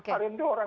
arin itu orang